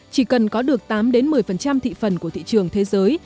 chỉ cần có được tám một mươi thị phần của thị trường thế giới